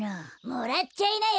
・もらっちゃいなよ！